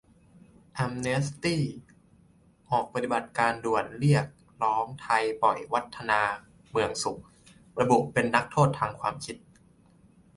แอมเนสตี้ออกปฏิบัติการด่วนเรียกร้องไทยปล่อย 'วัฒนา เมืองสุข' ระบุเป็นนักโทษทางความคิด